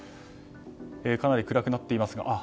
かなり暗くなっています。